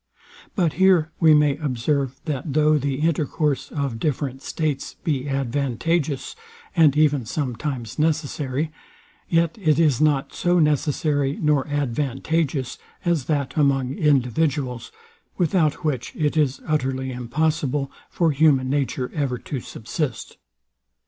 But here we may observe, that though the intercourse of different states be advantageous, and even sometimes necessary, yet it is nor so necessary nor advantageous as that among individuals, without which it is utterly impossible for human nature ever to subsist.